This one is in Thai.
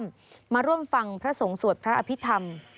มาร่วมฟังพระสงฆ์สวดพระอภิษฐรรม